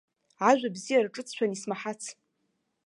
Ажәа бзиа рҿыҵшәан исмаҳац.